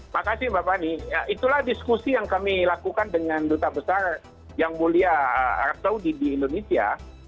makasih mbak fani itulah diskusi yang kami lakukan dengan duta besar yang mulia arab saudi di indonesia